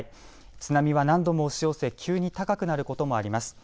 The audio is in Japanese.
津波は何度も押し寄せ急に高くなることもあります。